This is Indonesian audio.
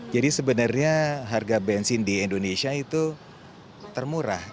jadi sebenarnya harga bensin di indonesia itu termurah